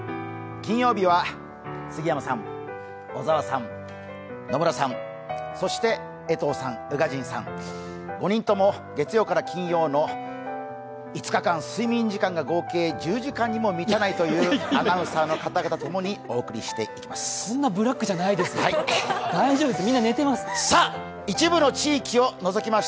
金曜日は杉山さん、小沢さん、野村さん、そして江藤さん、宇賀神さん、５人とも月曜から金曜の５日間睡眠時間が合計１２時間にも満たないというアナウンサーの方々と共にお送りしていきます。